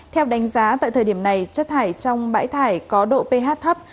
theo đánh giá tại thời điểm này chất thải trong bãi thải có độ ph thấp